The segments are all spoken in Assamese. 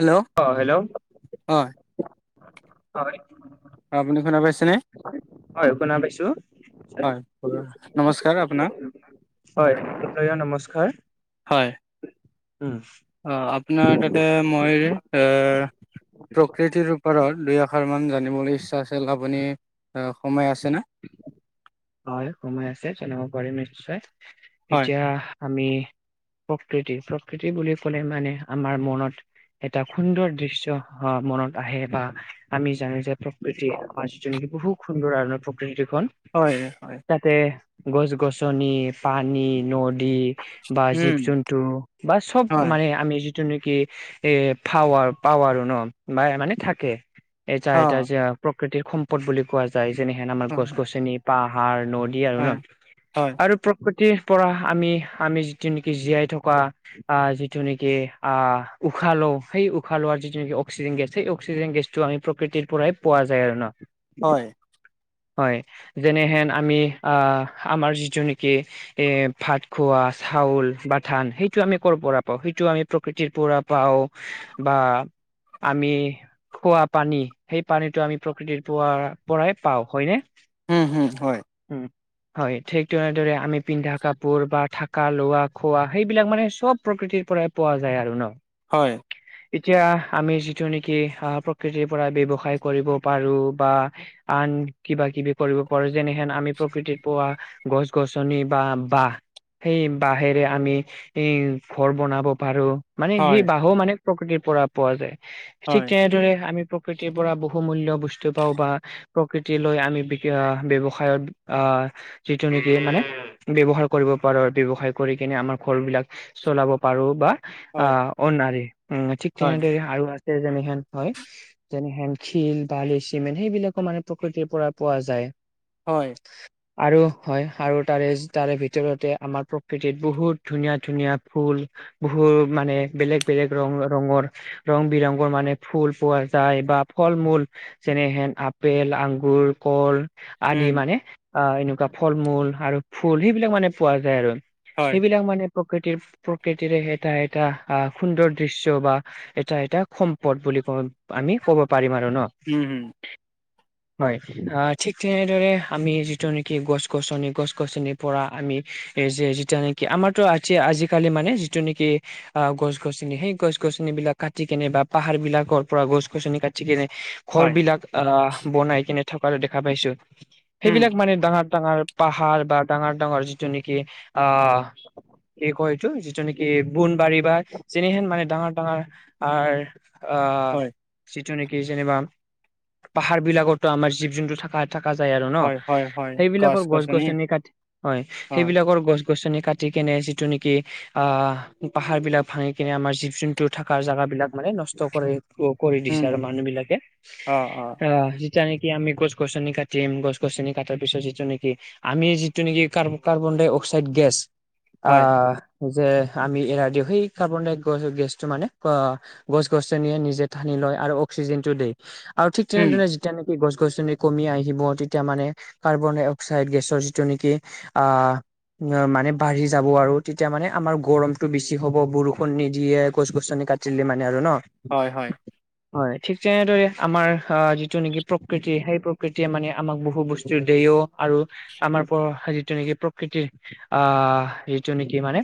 হেল্ল' অ' হেল্ল', হয় হয়। আপুনি শুনা পাইছেনে? হয় শুনা পাইছো হয়, [inaudible] নমস্কাৰ আপোনাক। হয়, [inaudible] নমস্কাৰ। হয়। উম। অ' আপোনাৰ তাতে মই এ, এ। প্ৰকৃতিৰ ওপৰত দুৰাষাৰ মান জানিবলৈ ইচ্ছা আছিল, আ আপুনি সময় আছেনে? হয়, সময় আছে জনাব পাৰিম নিশ্চয়। হয় এতিয়া আমি প্ৰকৃতি প্ৰকৃতি বুলি ক'লে মানে, আমাৰ মনত এটা সুন্দৰ দৃশ্য, অ' মনত আহে বা আমি জানো যে প্ৰ কৃতিয়ে প্ৰাৰ্চীনিক বহু সুন্দৰ আৰু প্ৰকৃতিখন। হয়, হয়, হয়। তাতে গছ-গছনি, পানী, নদী বা উম জীৱ-জন্তু বা চব হয় মানে আমি যিটো নেকি এ ফাৱাৰ, পাৱাৰো ন বা মানে থাকে। এটা অ এটা যে প্ৰকৃতিৰ সম্পদ বুলি কোৱা যায়, যেনেহেন আমাৰ হয় গছ-গছনি, পাহাৰ, নদী দী আৰু ন। হয় হয় আৰু প্ৰকৃতিৰ পৰা আমি, আমি যিটো নেকি জীয়াই থকা আহ যিটো নেকি আহ উশাহ লওঁ, সেই উশাহ লোৱাৰ যিটো নেকি অক্সিজেন গেছ, সেই অক্সিজেন গেছ টো আমি, প্ৰকৃতিৰ পৰাই পোৱা যায় আৰু ন। হয়। হয়, যেনেহেন আমি আহ আমাৰ যিটো নেকি এ ভাত খোৱা চাউল বা ধান সেইটো আমি কৰ' পৰা পাও? সেইটো আমি প্ৰকৃতিৰ পৰা পাও। বা আমি খোৱা পানী সেই পানীটো আমি প্ৰকৃতিৰ পোৱা পৰাই পাওঁ হয়নে? উম হুম হয়। উম! হয়, ঠিক তেনেদৰে আমি পিন্ধা কাপোৰ বা থাকা লোৱা খোৱা সেইবিলাক মানে চব প্ৰকৃতিৰ পৰাই পোৱা যায় আৰু ন? হয়। এতিয়া আমি যিটো নেকি আহ প্ৰকৃতিৰ পৰা ব্যৱসায় কৰিব পাৰো বা আন কিবা কিবি কৰিব পাৰোঁ, যেনেহেন আমি প্ৰকৃতিত পোৱা গছ গছনি বা বাঁহ সেই বাঁহেৰে আমি এই ঘৰ বনাব পাৰো। মানে সেই হয় বাঁহো মানে প্ৰকৃতিৰ পৰা পোৱা যায়। ঠিক হয় তেনেদৰে আমি প্ৰ প্ৰকৃতিৰ পৰা বহু মূল্য বস্তু পাওঁ বা, প্ৰকৃতি লৈ আমি বি আ ব্যৱসায়ত আহ যিটো নেকি মানে ব্যৱহাৰ কৰিব পাৰো, ব্যৱসায় কৰি কিনে আমাৰ ঘৰ বিলাক চলাব পাৰো বা অ হয় অনাৰে, উম ঠিক হয় তেনেদৰে আৰু আ তে যেনেহেন হয়। যেনেহেন শিল, বালি, চিমেণ্ট সেইবিলাকো মানে প্ৰকৃতিৰ পৰা পোৱা যায়। হয়। আৰু হয় আৰু তাৰে তাৰে ভিতৰতে আমাৰ প্ৰকৃতিত বহুত ধুনীয়া ধুনীয়া ফুল বহুত মানে বেলেগ বেলেগ ৰং ৰঙৰ ৰং বিৰংগৰ মানে ফুল পোৱা যায়, বা ফল মূল যেনেহেন আপেল, আংগুৰ, কল আদি উম মানে আহ এনেকুৱা ফল মূল আৰু ফুল সেইবিলাক মানে পোৱা যায় আৰু। হয় সেইবিলাক মানে প্ৰকৃতিৰ প্ৰকৃতিৰে এটা এটা আহ' সুন্দৰ দৃশ্য বা এটা এটা সম্পদ বুলি কম আমি কব পাৰিম আৰু ন। উম হুম। হয় অঁ ঠিক তেনেদৰে আমি যিটো নেকি গছ- গছনি গছ গছনিৰ পৰা আমি এই যে যিটো নেক কি আমাৰতো আজি আজিকালি মানে যিটো নেকি আহ' গছ গছনি সেই গছ গছনিবিলাক কাটি কেনে বা পাহাৰ বিলাকৰ পৰা গছ গছনি কাটি কেনে ঘৰ হয় বিলাক আহ' বনাই কেনে থকাৰ দেখা পাইছোঁ। উম সেইবিলাক মানে ডাঙৰ ডাঙৰ পাহাৰ বা ডাঙৰ ডাঙৰ যিটো নেকি আহ এই কয় এইটো যিটো নেকি বোনবাৰী বা যেনেহেন মানে ডাঙৰ ডাঙৰ আৰ আহ' হয় যিটো নেকি যেনিবা পাহাৰ বিলাকতো আমাৰ জীৱ জন্তু থাক থাকা যায় আৰু ন, হয় হয় হয় সেইবিলাকৰ গছ গছনি কাটি হয় সেইবিলাকৰ গছ গছনি কাটি কেনে যিটো নেকি আহ পাহাৰ বিলাক ভাঙি কিনে আমাৰ জীৱ জন তু থাকাৰ জেগাবিলাক মানে নষ্ট কৰে ক কৰি দিছে উম আৰু মানুহ বিলাকে, অ অ আহ যিতিয়া নেকি আমি গছ গছনি কাটিম, গছ গছনি কাটাৰ পিছত যিটো নেকি আমি যিটো নেকি কাৰ্বন কাৰ্বন ডাই অক্সাইড গেছ হয় আহ' যে আমি এৰাই দিওঁ সেই কাৰ্বন ডাই গহ গেছটো মানে ক' গছ-গছনিয়ে নিজে ঠানি লয় আৰু অক্সিজেন টো দিয়ে। আৰু ঠিক উম তেনেধৰণে যেতিয়া নেকি গছ-গছনিত কমি আহিব তেতিয়া মানে কাৰ্বন-ডাই-অক্সাইড গেছৰ যিটো নেকি আহ অ মানে বাঢ়ি যাব আৰু তেতিয়া মানে আমাৰ গৰমতটো বেছি হ'ব বৰষুণ নিদিয়ে গছ-গছনি কাটি টিলে মানে আৰু ন। হয় হয়। হয়। ঠিক তেনেদৰে আমাৰ অ যিটো নেকি প্ৰকৃতি সেই প্ৰ প্ৰকৃতিয়ে মানে আমাক বহু বস্তু দিয়াও আৰু আমাৰ পৰা যিটো নেকি প্ৰকৃতিৰ আহ যিটো নেকি মানে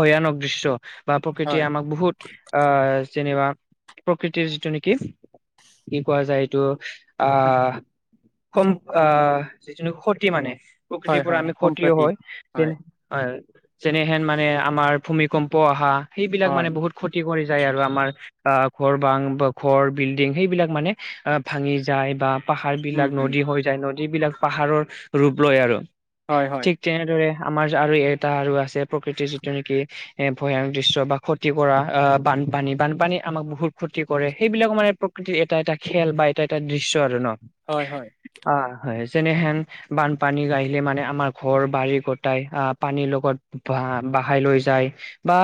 ভয়ানক দৃশ্যৰ বা প্ৰকৃতিয়ে হয় আমাক বহুত আহ যেনিবা প্ৰকৃতিৰ যিটো নেকি কি, কোৱা যায় এইটো আহ সম আহ যিটো ক্ষতি মানে হয় প্ৰকৃতিৰ পৰা হয় আমি ক্ষতিও সম্প্ৰতি হয় হয় যেনে হয়। যেনেহেন মানে আমাৰ ভূমিকম্প অহা সেইবিলাক হয় মানে বহুত ক্ষতি কৰি যায় আৰু আমাৰ আহ ঘৰ বাং বা ঘৰ, বিল্ডিং সেইবিলাক মানে আহ ভাঙি যায় বা পাহৰ উম বিলাক হম নদী হৈ যায়, নদীবিলাক পাহাৰৰ ৰূপ লয় আৰু। হয় হয়। ঠিক তেনেদৰে আমাৰ আৰু এটা আৰু আছে প্ৰকৃতিৰ যিটো নেকি এ ভয়ানক দৃশ্যৰ বা ক্ষতি কৰা আহ বানপানী বানপানী আমাক বহুত ক্ষতি কৰে সেইবিলাক মানে প্ৰকৃতিৰ এটা এটা খেল বা এটা এটা দৃশ্য আৰু ন। হয় হয়। অহ যেনেহেন বানপানী গাঢ়িলে মানে আমাৰ ঘৰ-বাৰী গোটাই আহ' পানীৰ লগত বহাই লৈ যায়। বা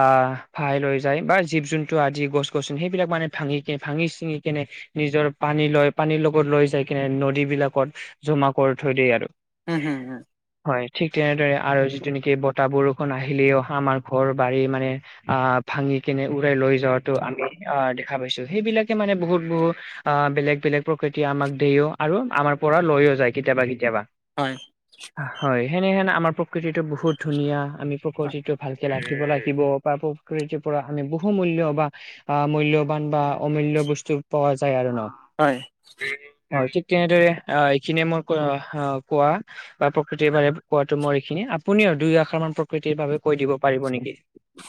আহ ভহাই লৈ যায় বা জীৱ-জন্তু আদি গছ-গছনি সেইবিলাক মানে ভাঙিনে ভাঙি চিঙি কেনে নিজৰ পানী লৈ পানীৰ লগত লৈ যাই কিনে নদীবিলাকত জমা কৰি থৈ দিয়ে আৰু। উম হুম হুম। হয় ঠিক তেনেদৰে আৰু যিটো নেকি বতাহ বৰষুণ আহিলে অহ আমাৰ ঘৰ বাৰী মানে আহ' ভাঙি কিনে উৰাই লৈ যোৱাতটো আমি আহ দেখা পাইছোঁ। সেইবিলাকে মানে বহুত বহুত অ' বেলেগ বেলেগ প্ৰকৃতিয় আমাক দেও আৰু আমাৰ পৰা লৈয়ও যায় কেতিয়াবা কেতিয়াবা। হয় সেনেহেন আমাৰ প্ৰকৃতিটো বহুত ধুনীয়া আমি হয় প্ৰকৃতিটো ভালকে ৰাখিব লাগিব বা প্ৰকৃতিৰ পৰা আমি বহু মূল্যৰ বা আহ মূল্যবান বা অমূল্য বস্তু পোৱা যায় আৰু ন। হয়। হয় ঠিক তেনেদৰে অ এইখিনিয়ে মই ক অ কোৱা বা প্ৰকৃতিৰ বাবে কোৱাটো মোৰ এইখিনি। আপুনি দুই আশাৰ মান প্ৰকৃতিৰ বাবে কৈ দিব পাৰিব নেকি?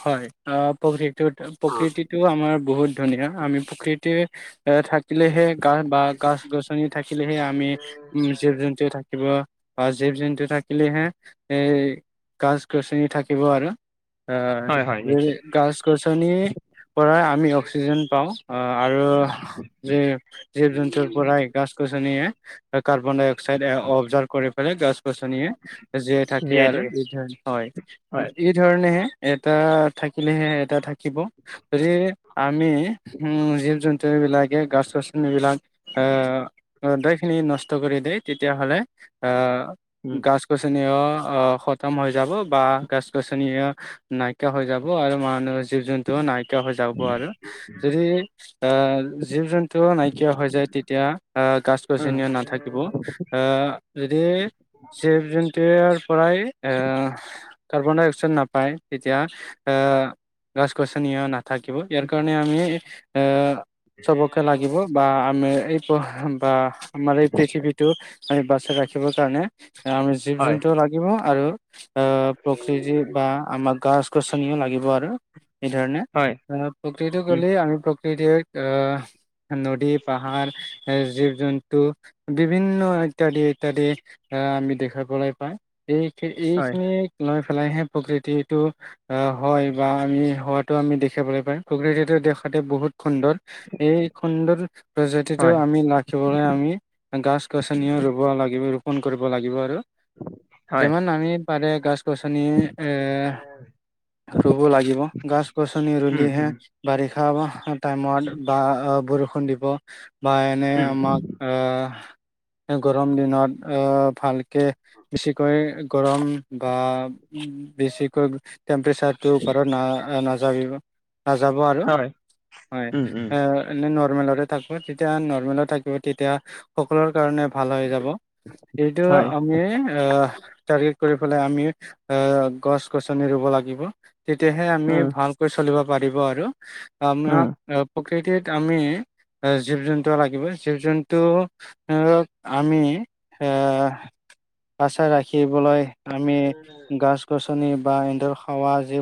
হয় অ প্ৰকৃতিত প্ৰকৃতিটো আমাৰ বহুত ধুনীয়া আমি প্ৰকৃতিৰ থাকিলেহে গা বা গছ-গছনি থাকিলেহে আমি জীৱ-জন্তু থাকিব আ জীৱ জন্তু থাকিলেহে এ গছ-গছনি থাকিব আৰু হয় হয় যে নিশ্চয় গছ-গছনিৰ পৰা আমি অক্সিজেন পাওঁ আৰু জী-জীৱ-জন্তুৰ পৰাই গছ-গছনিয়ে কাৰ্বন ডাই অক্সাইড এ অবজাৰ্ভ কৰি পেলাই গছ গছনিয়ে জীয়াই থাকে আৰু এই ধৰ হয় হয় এই ধৰণেহে এটা থাকিলেহে এটা থাকিব, যদি আমি উম জীৱ টো বিলাকে গাছ-গছনী বিলাক আহ ৰদৈ খিনি নষ্ট কৰি দিয় তেতিয়াাহ'লে আহ উম গছ গছনিও আহ খতম হৈ যাব বা গছ গছনিও নাইকিয়া হৈ যাব আৰু মানুহৰ জীৱ জন্তুও নাইকিয়া হৈ যাব আৰু যদি আহ জীৱ জন্তু নাইকিয়া হৈ যায় তেতিয়া আহ গছ উম গছীয় নাথাকিব আহ যদি চে জোনন্তু পৰাই কাৰ্বন ডাই অক্সাইড নাপায় তেতিয়া গছ গছনি নাথাকিব ইয়াৰ কাৰণে আমি চবকে লাগিব বা আমি এই বা আমাৰ এই পৃথিৱীতটোম বাচাই ৰাখিবৰ কাৰণে আমি জীৱ হয় জন্তু লাগিব আৰু আহ প্ৰকৃতি বা আমাক গছ গছনিও লাগিব আৰু সেই ধৰণে হয় প্ৰকৃতিটো উম গ'লেই আমি নদী পাহাৰ এ জীৱ জন্তু বিভিন্ন ইত্যাদি ইত্যাদি আহ আমি দেখিবলৈ পায় এইিন এই হয় খিনি লৈ পেলাইহে প্ৰকৃতিত টো অ হয় বা আমি হোৱাাতটো আমি দেখিবলৈ পাই প্ৰকৃতিতটো দেখাতে বহুত সুন্দৰ এই সুন্দৰ প্ৰজাতিটোও হয় আমি লাভ থিবলৈ আমি গছ গছনিও ৰুব লাগিব ৰোপণ কৰিব লাগিব আৰু হয় যিমান আমি পাৰে গছ গছনি এ ৰুব লাগিব গছ গছনি উম ৰুলহে উম বাৰিষা বা টাইমত বা বৰষুণ দিব বা এনে উম আমাক গৰম দিনত ভালকে বেছিকৈ গৰম বা বেছিকৈ টেম্পৰেচাৰটোৰ ওপৰত না নাযাবিব নাযাব আৰু হয় হয় উম উম এ নৰ্মেলতে থাকো তেতিয়া নৰ্মেলত থাকিব তেতিয়া সকলোৰ কাৰণে ভাল হৈ যাব এইটো হয় আমি আহ আমি গছ গছনি ৰুব লাগিব তেতিয়াহে আমি উম ভাল [inaudible] উম প্ৰকৃতিত আমি জীৱ জন্তু লাগিব জীৱ জন্তু ধ লক আমি এৰ আচাৰ ৰাখিবলৈ আমি গছ গছনি বা এনেদৰ খাৱা যি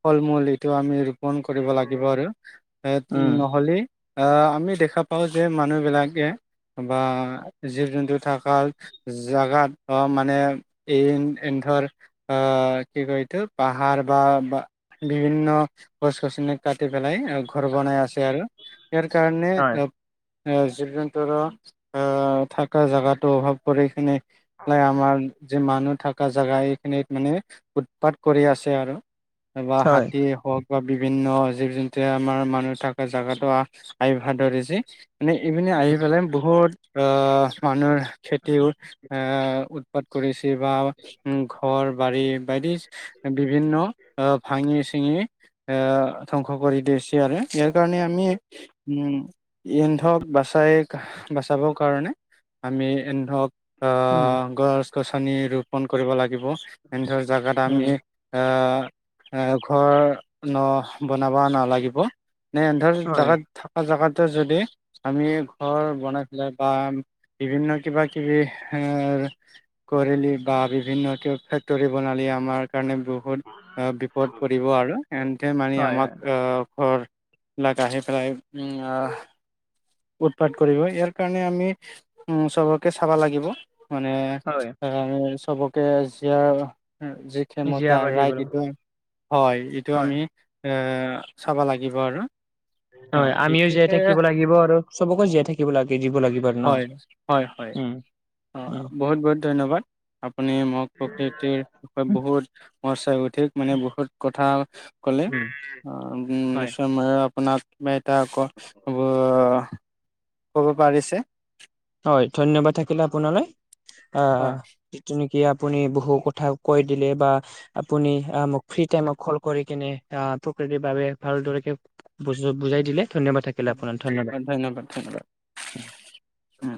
ফল মূল এইটো আমি পণ কৰিব লাগিব আৰু উম নহ'লে আহ আমি দেখা পাওঁ যে মানুহবিলাকে বা জীৱ জন্তু থকা জাগাত অ মানে এই ধৰ আহ কি কতো পাহাৰ বা বা বিভিন্ন গছ গছনি কাটি পেলাই ঘৰ বনাই আছে আৰু ইয়াৰ কাৰণে হয় আহ এ জীৱ জন্তুৰ আহ থকা জোগাতো অভাৱ কৰিখিনি নাই আমাৰ যি মানুহ থকা জেগা এইখিনিত মানে উৎপাত কৰি আছে আৰু। বা, হয় হাতীয়ে হওক বা বিভিন্ন জীৱ জন্ত আমাৰ মানুহ থকা জোগাতটো আ ভাদৰে যি [inaudible] মানে ইপিনে আহি পেলাই বহুত মানুহৰ খেতিও এ, উৎপাত কৰিছে বা ঘৰ, বাৰী বি, বিভিন্ন ভাঙি, চিঙি এ, ধ্বংস কৰি দিছে আৰু ইয়াৰ কাৰণে আমি উম, ইন্ধক বাচাই বাচাবৰ কাৰণে আমি, এ, ধৰক [unintelligible] উম আহ, গছ-গছনি ৰোপন কৰিব লাগিব এনে ধৰ জোগাত উম আমি আহ, ঘৰ, ন, বনাব নালাগিব। নেধৰ হয় জেগাত থকা জেগাতো যদি আমি ঘৰ বনাই পেলাই বা বিভিন্ন কিবা কিবি এ কৰিলি বা বিভিন্ন ক, ফেক্টৰী বনালি আমাৰ কাৰণে বহুত বিপদ পৰিব আৰু এনেতে মানে হয় হয় আমাক ঘৰ লক আহে, প্ৰায় উ। উৎপাত কৰিব, ইয়াৰ কাৰণে আমি উ, চবকে চাব লাগিব মানে হয় আমি চবকে জীয়াৰ যি জীয়া ক্ষমতা বা দিব ৰাইট লাগিব এইটো হয়, এইটো হয় আমি চাব লাগিব আৰু। অ' হয়, আমিও জীয়াই এইটোকে থাকিব লাগিব আৰু চবকো জীয়াই থাকিব লাগে, দিব লাগিব। আৰু ন হয়, হয়, হয়, উম অ', বহুত, বহুত ধন্যবাদ। আপুনি মোক প্ৰকৃতিৰ বিষয় উম বহুত [unintelligible] অধিক মানে বহুত কথা কলে, উম, হয়। নিশ্চয় মই আপোনাক বা এতিয়া আকৌ অ', ক'ব পাৰিছে। হয় ধন্যবাদ থাকিলে আপোনালৈ, হয়, অ'। যিটো নেকি আপুনি বহু কথা কৈ দিলে বা আপুনি মোক ফ্ৰীতে ক'ল কৰি কিনে প্ৰকৃতিৰ বাবে ভালদ বুজ, বুজাই দিলে ধন্যবাদ থাক হয়, হয়, ধন্যবাদ, ধন্যবাদ। উম।